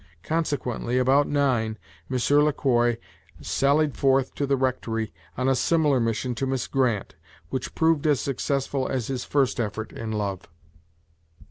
Consequently, about nine, Monsieur Le Quoi sallied forth to the rectory, on a similar mission to Miss Grant, which proved as successful as his first effort in love.